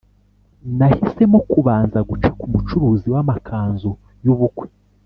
nahisemo kubanza guca ku mucuruzi w’amakanzu y’ubukwe